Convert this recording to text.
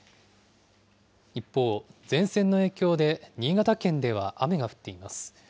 一方、前線の影響で新潟県では雨が降っています。